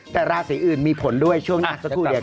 แต่ราศีอื่นมีผลด้วยช่วงหน้าสักครู่เดียวครับ